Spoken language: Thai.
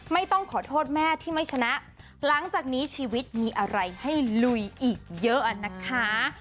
ไม่ต้องขอโทษแม่ที่ไม่ชนะหลังจากนี้ชีวิตมีอะไรให้ลุยอีกเยอะนะคะ